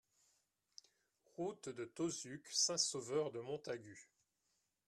Route de Tauzuc, Saint-Sauveur-de-Montagut